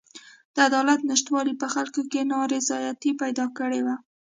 د عدالت نشتوالي په خلکو کې نارضایتي پیدا کړې وه.